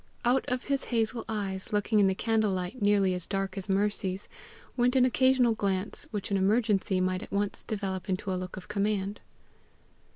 Out of his hazel eyes, looking in the candle light nearly as dark as Mercy's, went an occasional glance which an emergency might at once develop into a look of command.